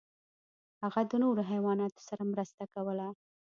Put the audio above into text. هغه د نورو حیواناتو سره مرسته کوله.